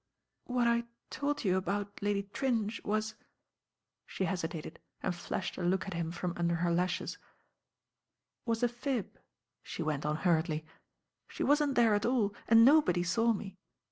"What I told you about Lady Tringe was— she hesitated r id flashed a look at him from under her lashes, "was a fib," she went on hurriedly. "She wasn't there at all, and nobody saw me.